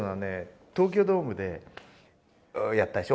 東京ドームでやったでしょ？